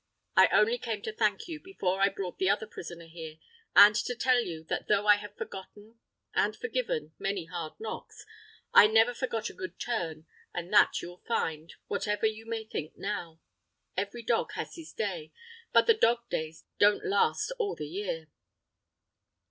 I only came to thank you, before I brought the other prisoner here, and to tell you, that though I have forgotten and forgiven many hard knocks, I never forget a good turn, and that you'll find, whatever you may think now. Every dog has his day, but the dog days don't last all the year."